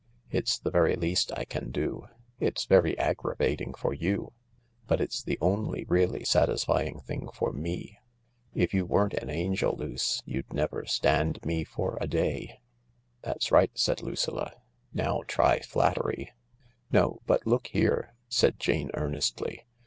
" It's the very least I can do. It's very aggravating for you, but it's the only really satisfying thing for me. If you weren't an angel, Luce, you'd never stand me for a day." " That's right," said Lucilla, " now try flattery 1 " "No— but look here I" said Jane earnestly.